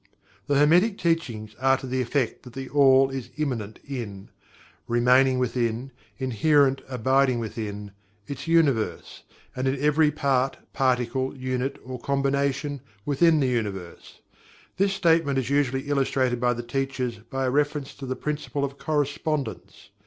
The Hermetic Teachings are to the effect that THE ALL is Imminent in ("remaining within; inherent; abiding within") its Universe, and in every part, particle, unit, or combination, within the Universe. This statement is usually illustrated by the Teachers by a reference to the Principle of Correspondence.